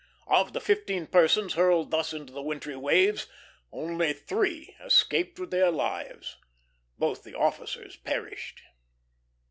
Of the fifteen persons hurled thus into the wintry waves, only three escaped with their lives. Both the officers perished.